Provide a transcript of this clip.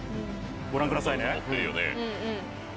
ご覧ください。